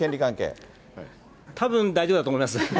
たぶん大丈夫だと思います。